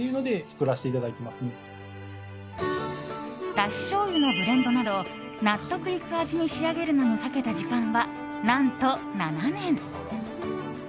だししょうゆのブレンドなど納得いく味に仕上げるのにかけた時間は何と７年。